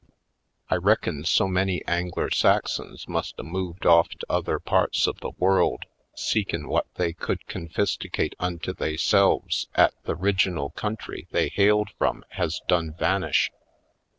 I reckin so many Angler Sax ons must a moved off to other parts of the world seekin' whut they could confisticate unto theyselves 'at the 'riginal country they hailed frum has done vanish'.